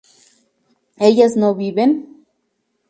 ¿ellas no viven?